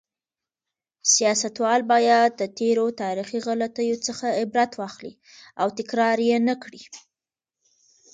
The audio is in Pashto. سیاستوال باید د تېرو تاریخي غلطیو څخه عبرت واخلي او تکرار یې نکړي.